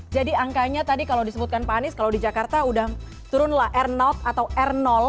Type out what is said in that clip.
jadi angkanya tadi kalau disebutkan pak anies kalau di jakarta udah turun lah r atau r